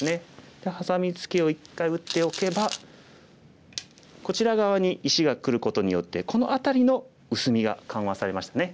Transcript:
でハサミツケを一回打っておけばこちら側に石がくることによってこの辺りの薄みが緩和されましたね。